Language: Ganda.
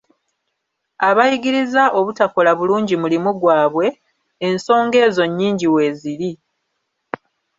Abayigiriza obutakola bulungi mulimu gwabwe, ensonga ezo nnyingi weeziri.